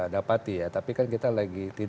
dapati ya tapi kan kita lagi